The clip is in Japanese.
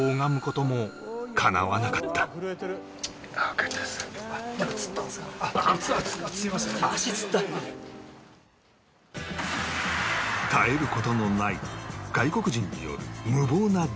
絶える事のない外国人による無謀な弾丸登山